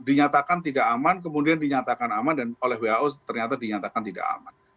dinyatakan tidak aman kemudian dinyatakan aman dan oleh who ternyata dinyatakan tidak aman